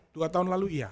dua tahun lalu iya